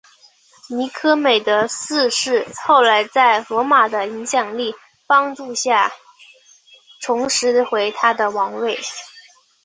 尼科美德四世后来在罗马的影响力帮助下重拾回他的王位。